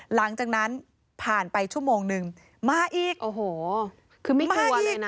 หลังจากนั้นผ่านไปชั่วโมงนึงมาอีกโอ้โหคือไม่กลัวเลยนะ